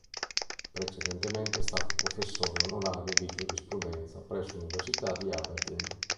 Precedentemente è stato professore onorario di giurisprudenza presso l'Università di Aberdeen.